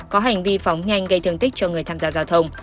có hành vi phóng nhanh gây thương tích cho người tham gia giao thông